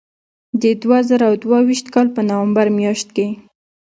د دوه زره دوه ویشت کال په نومبر میاشت کې.